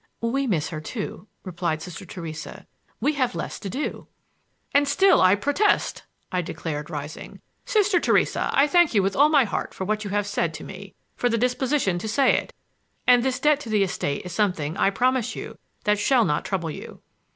"We miss her, too," replied Sister Theresa. "We have less to do!" "And still I protest!" I declared, rising. "Sister Theresa, I thank you with all my heart for what you have said to me,—for the disposition to say it! And this debt to the estate is something, I promise you, that shall not trouble you."